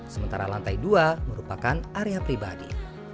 sementara lantai dua merupakan area pribadi